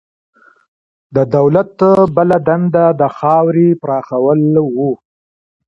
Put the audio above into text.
د دولت بله دنده د خاورې پراخول وو.